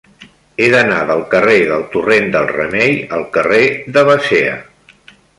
He d'anar del carrer del Torrent del Remei al carrer de Basea.